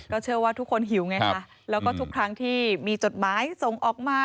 เชื่อว่าทุกคนหิวไงค่ะแล้วก็ทุกครั้งที่มีจดหมายส่งออกมา